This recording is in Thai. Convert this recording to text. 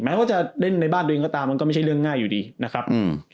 ว่าจะเล่นในบ้านตัวเองก็ตามมันก็ไม่ใช่เรื่องง่ายอยู่ดีนะครับอืม